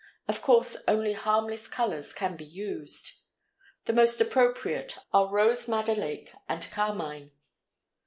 Of course only harmless colors can be used. The most appropriate are rose madder lake and carmine.